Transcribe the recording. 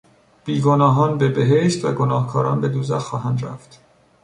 بیگناهان به بهشت و گناهکاران به دوزخ خواهند رفت.